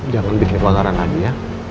jangan bikin kebakaran lagi ya